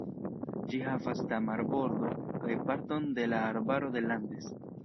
Ĝi havas da marbordo kaj parton de la arbaro de Landes.